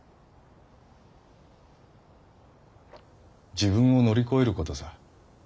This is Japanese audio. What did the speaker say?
「自分を乗り越える事」さ！